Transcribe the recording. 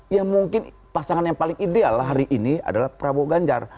ya mungkin pasangan yang paling ideal hari ini adalah prabowo ganjar